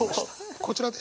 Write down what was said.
こちらです。